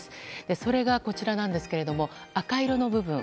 それが、こちらなんですが赤色の部分。